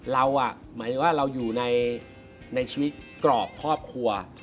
หมายถึงว่าเราอยู่ในชีวิตกรอบครอบครัว